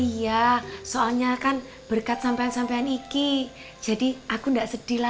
iya soalnya kan berkat sampean sampean iki jadi aku gak sedih lagi